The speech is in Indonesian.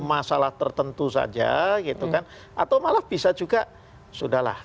masalah tertentu saja gitu kan atau malah bisa juga sudah lah